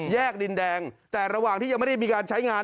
ดินแดงแต่ระหว่างที่ยังไม่ได้มีการใช้งาน